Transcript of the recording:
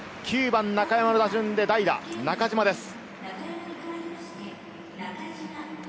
９番・中山の打順で代打・中島です。